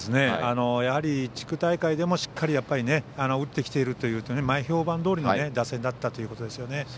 やはり地区大会でもしっかり打ってきているという前評判どおりの打線だったということですよね。